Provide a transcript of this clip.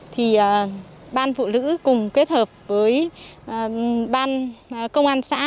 thì ban phụ nữ cùng kết hợp với ban công an xã